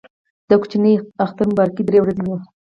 د کوچني اختر مبارکي درې ورځې وي.